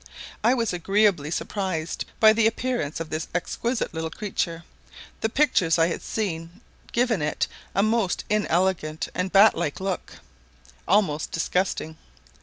I was agreeably surprised by the appearance of this exquisite little creature; the pictures I had seen giving it a most inelegant and batlike look, almost disgusting.